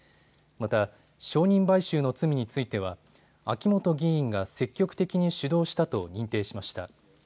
また証人買収の罪については秋元議員が積極的に主導したと認定しました。